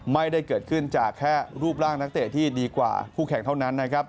ไม่ได้เกิดขึ้นจากแค่รูปร่างนักเตะที่ดีกว่าคู่แข่งเท่านั้นนะครับ